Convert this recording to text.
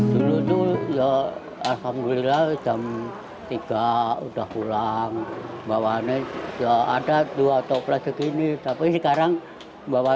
dulu tuh ya alhamdulillah jam tiga udah pulang bawaannya ya ada dua toplet segini tapi sekarang bawa